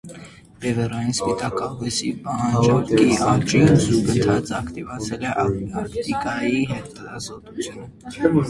Բևեռային սպիտակ աղվեսի պահանջարկի աճին զուգընթաց ակտիվացել է Արկտիկայի հետազոտությունը։